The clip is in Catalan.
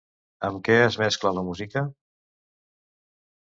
Amb què es mescla la música?